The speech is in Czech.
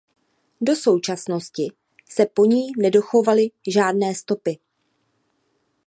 Do současnosti se po ní nedochovaly žádné stopy.